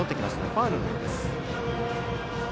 ファウルのようです。